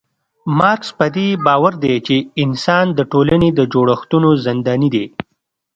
مارکس پدې باور دی چي انسان د ټولني د جوړښتونو زنداني دی